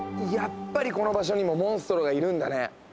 やっぱりこの場所にもモンストロがいるんだね。